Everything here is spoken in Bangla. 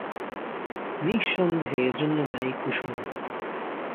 নিঃসন্দেহে এজন্য দায়ী কুসুম।